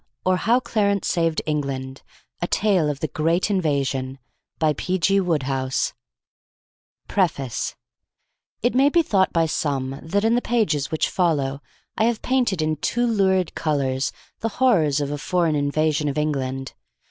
or How Clarence Saved England A Tale of the Great Invasion by P. G. Wodehouse 1909 PREFACE It may be thought by some that in the pages which follow I have painted in too lurid colours the horrors of a foreign invasion of England.